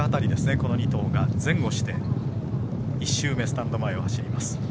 この２頭が前後して１周目、スタンド前を走ります。